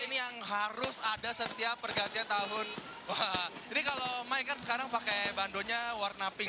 ini yang harus ada setiap pergantian tahun wah ini kalau mai kan sekarang pakai bandonya warna pink